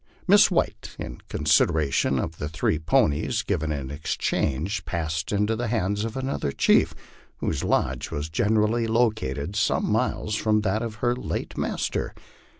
Miss White, in consideration of three ponies given in exchange, passed into the hands of another chief, whose lodge was generally located some miles from that of her late master.